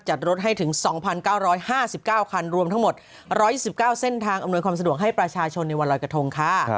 รถให้ถึง๒๙๕๙คันรวมทั้งหมด๑๑๙เส้นทางอำนวยความสะดวกให้ประชาชนในวันรอยกระทงค่ะ